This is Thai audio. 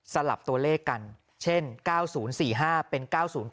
สลับตัวเลขกันเช่น๙๐๔๕เป็น๙๐